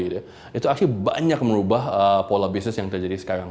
itu akhirnya banyak merubah pola bisnis yang terjadi sekarang